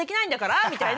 みたいな。